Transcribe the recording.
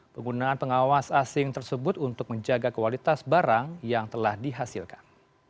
penggunaan pengawas asing tersebut untuk menjaga kualitas barang yang telah dihasilkan